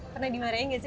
pernah dimarahin nggak sih